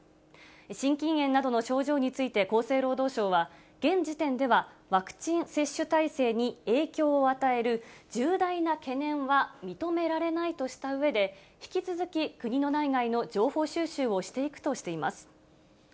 心筋炎などの症状について厚生労働省は、現時点ではワクチン接種体制に影響を与える重大な懸念は認められないとしたうえで、引き続き国の内外の情報収集をしていくとしています。